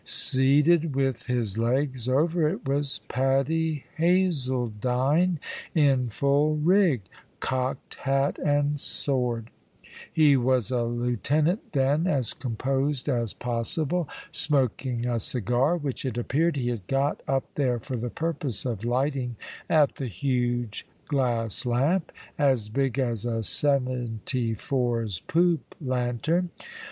Seated with his legs over it was Paddy Hazledine in full rig, cocked hat and sword he was a lieutenant then as composed as possible, smoking a cigar, which, it appeared, he had got up there for the purpose of lighting at the huge glass lamp, as big as a seventy four's poop lantern.